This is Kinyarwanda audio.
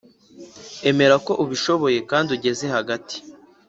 emera ko ubishoboye kandi ugeze hagati.